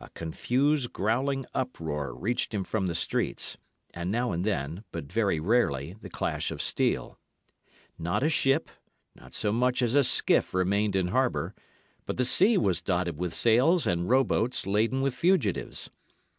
A confused, growling uproar reached him from the streets, and now and then, but very rarely, the clash of steel. Not a ship, not so much as a skiff remained in harbour; but the sea was dotted with sails and row boats laden with fugitives.